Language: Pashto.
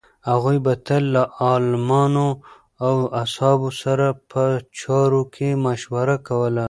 هغوی به تل له عالمانو او اصحابو سره په چارو کې مشوره کوله.